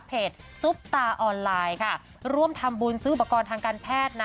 ซุปตาออนไลน์ค่ะร่วมทำบุญซื้ออุปกรณ์ทางการแพทย์นะ